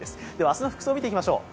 明日の服装、見ていきましょう。